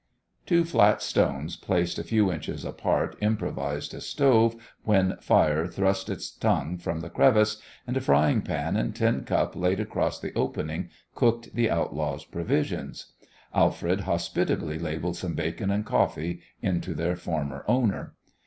Two flat stones placed a few inches apart improvised a stove when fire thrust its tongue from the crevice, and a frying pan and tin cup laid across the opening cooked the outlaw's provisions. Alfred hospitably ladled some bacon and coffee into their former owner.